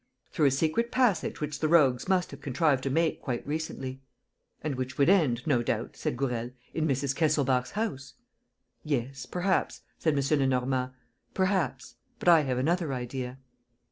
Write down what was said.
"Through a secret passage which the rogues must have contrived to make quite recently." "And which would end, no doubt," said Gourel, "in Mrs. Kesselbach's house." "Yes, perhaps," said M. Lenormand, "perhaps ... But I have another idea."